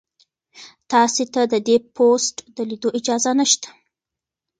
تاسي ته د دې پوسټ د لیدو اجازه نشته.